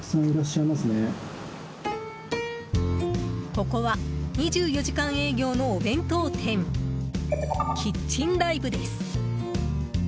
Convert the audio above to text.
ここは２４時間営業のお弁当店キッチンＤＩＶＥです。